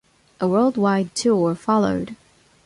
A worldwide tour followed.